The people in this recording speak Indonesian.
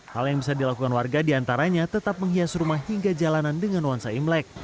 hal yang bisa dilakukan warga diantaranya tetap menghias rumah hingga jalanan dengan wansa imlek